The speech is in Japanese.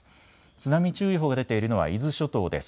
津波注意報が出ているのは伊豆諸島です。